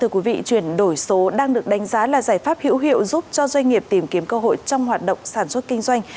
chuyển đổi số đang được đánh giá là giải pháp hữu hiệu giúp cho doanh nghiệp tìm kiếm cơ hội trong hoạt động sản xuất kinh doanh